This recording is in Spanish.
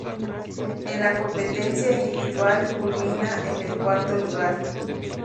En la competencia individual culmina en el cuarto lugar.